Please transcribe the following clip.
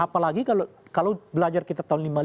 apalagi kalau belajar kita tahun seribu sembilan ratus lima